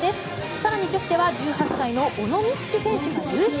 更に女子では１８歳の小野光希選手も優勝。